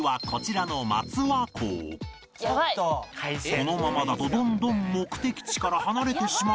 このままだとどんどん目的地から離れてしまうが